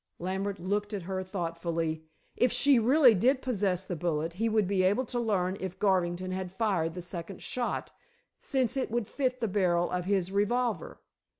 Lambert looked at her thoughtfully. If she really did possess the bullet he would be able to learn if Garvington had fired the second shot, since it would fit the barrel of his revolver.